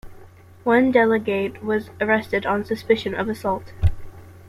One delegate was arrested on suspicion of assault.